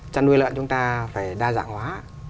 chăn nuôi lợn chúng ta phải đa dạng hóa